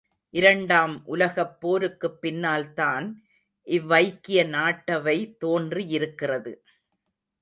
இரண்டாம் உலகப் போருக்குப் பின்னால்தான் இவ்வைக்கிய நாட்டவை தோன்றியிருக்கிறது.